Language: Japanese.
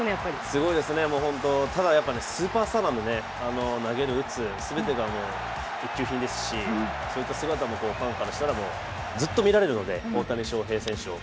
すごいですよね、ただスーパースターなので、投げる、打つ、全てが一級品ですし、そういった姿もファンからしたらずっと見られるので、大谷翔平選手を。